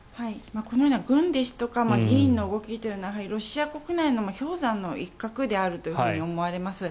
このような、軍ですとか議員の動きというのはロシア国内の氷山の一角であると思われます。